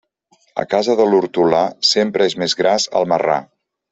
A casa de l'hortolà, sempre és més gras el marrà.